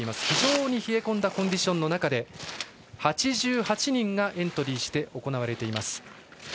非常に冷え込んだコンディションの中８８人がエントリーして行われています。